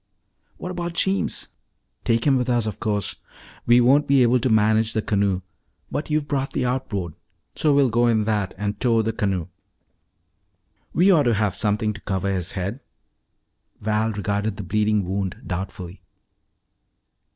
"What about Jeems?" "Take him with us, of course. We won't be able to manage the canoe. But you brought the outboard, so we'll go in that and tow the canoe. We ought to have something to cover his head." Val regarded the bleeding wound doubtfully.